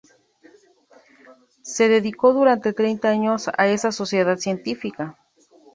Se dedicó durante treinta años, a esa sociedad científica.